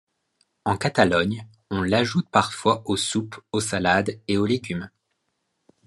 En Catalogne, on l'ajoute parfois aux soupes, aux salades et aux légumes.